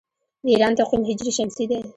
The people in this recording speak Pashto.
د ایران تقویم هجري شمسي دی.